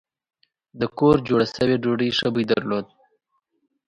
د کور جوړه شوې ډوډۍ ښه بوی درلود.